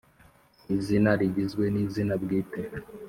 Izina rigizwe n izina bwite